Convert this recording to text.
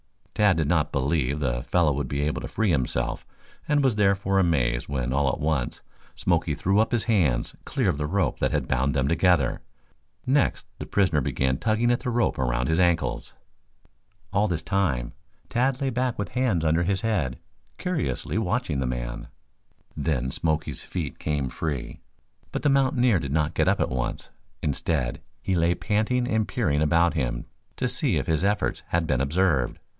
Tad did not believe the fellow would be able to free himself and was therefore amazed when all at once Smoke threw up his hands clear of the rope that had bound them together. Next the prisoner began tugging at the rope around his ankles. All this time Tad lay back with hands under his head, curiously watching the man. Then Smoky's feet came free, but the mountaineer did not get up at once. Instead, he lay panting and peering about him to see if his efforts had been observed.